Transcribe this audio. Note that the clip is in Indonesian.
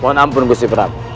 mohon ampun gusti prabu